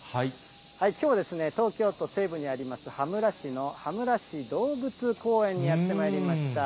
きょうは東京都西部にあります、羽村市の羽村市動物公園にやってまいりました。